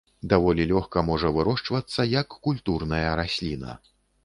Даволі лёгка можа вырошчвацца як культурная расліна.